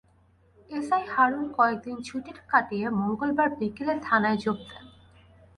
SI Harun কয়েক দিন ছুটি কাটিয়ে মঙ্গলবার বিকেলে থানায় যোগ দেন।